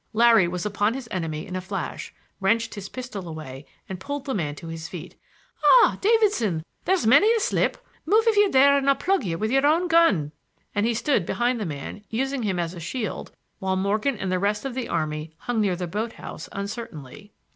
Larry was upon his enemy in a flash, wrenched his pistol away and pulled the man to his feet. "Ah, Davidson! There's many a slip! Move, if you dare and I'll plug you with your own gun." And he stood behind the man, using him as a shield while Morgan and the rest of the army hung near the boat house uncertainly.